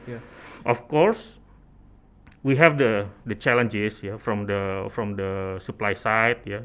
tentu saja kita memiliki tantangan dari bagian penyelenggaraan ya